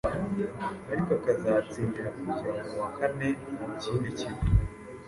ariko akazatsindira kujya mu wa kane ku kindi kigo.